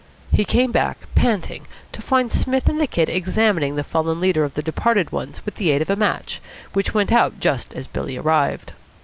He came back, panting, to find Psmith and the Kid examining the fallen leader of the departed ones with the aid of a match, which went out just as Billy arrived.